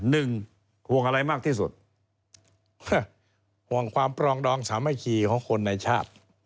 ห่วงอะไรมากที่สุดห่วงความปรองดองสามัคคีของคนในชาติ